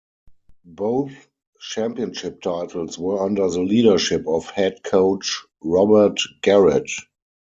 Both Championship titles were under the leadership of Head Coach Robert Garrett.